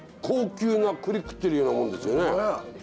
高級なくり食ってるようなもんですよね。